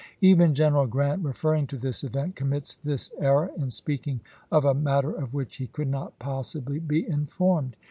Even General Grant, referring to this event, commits this error in speaking of a matter of which he could not possibly be informed.